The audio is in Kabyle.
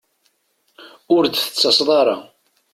Ur d-tettaseḍ ara